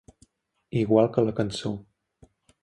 Igual que la cançó.